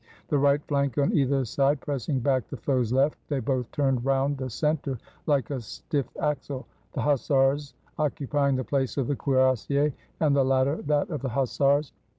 The right flank on either side pressing back the foe's left, they both turned round the center like a stiff axle — the hussars occupying the place of the cuirassiers, and the latter that of the hus sars.